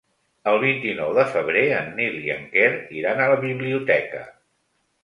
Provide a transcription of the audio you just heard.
El vint-i-nou de febrer en Nil i en Quer iran a la biblioteca.